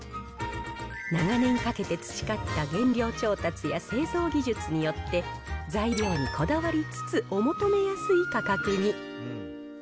長年かけて培った原料調達や製造技術によって、材料にこだわりつつ、お求めやすい価格に。